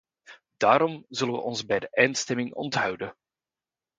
Daarom zullen wij ons bij de eindstemming onthouden.